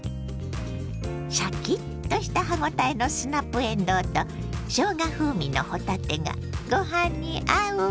シャキッとした歯応えのスナップえんどうとしょうが風味の帆立てがご飯に合うわ。